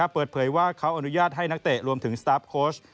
เปิดเผยว่าเขาอนุญาตให้นักเตะรวมถึงสตาร์ฟโค้ช